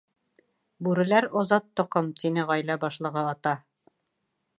— Бүреләр — Азат Тоҡом, — тине ғаилә башлығы Ата.